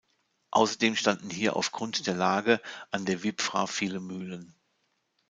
Außerdem standen hier auf Grund der Lage an der Wipfra viele Mühlen.